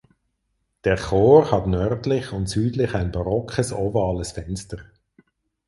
Der Chor hat nördlich und südlich ein barockes ovales Fenster.